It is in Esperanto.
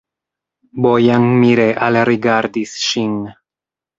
Bojan mire alrigardis ŝin.